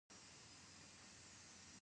هر کلیک یو نوی ارزښت جوړوي.